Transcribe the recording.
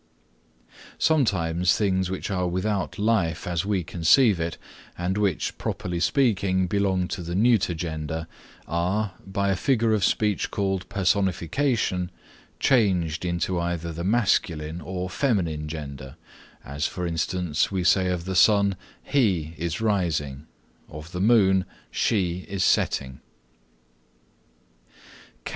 Sometimes things which are without life as we conceive it and which, properly speaking, belong to the neuter gender, are, by a figure of speech called Personification, changed into either the masculine or feminine gender, as, for instance, we say of the sun, He is rising; of the moon, She is setting.